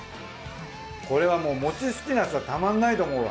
これはもう餅好きな人はたまんないと思うわ。